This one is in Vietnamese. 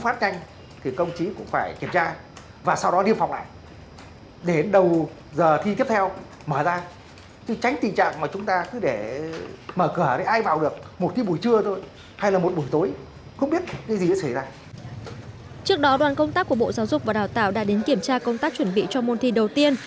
trước đó đoàn công tác của bộ giáo dục và đào tạo đã đến kiểm tra công tác chuẩn bị cho môn thi đầu tiên